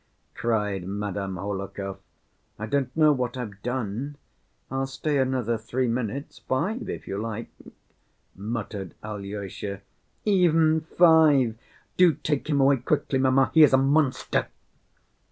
cried Madame Hohlakov. "I don't know what I've done.... I'll stay another three minutes, five if you like," muttered Alyosha. "Even five! Do take him away quickly, mamma, he is a monster."